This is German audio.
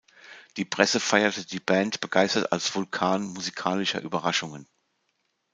Die Presse feierte die Band begeistert als „Vulkan musikalischer Überraschungen“.